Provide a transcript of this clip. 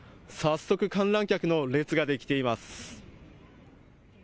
早速、観覧客の列ができています。